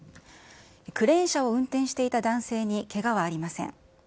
クレーン車を運転していた男性にけがはありません。